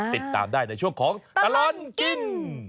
ติดตามได้ในช่วงของตลอดกิน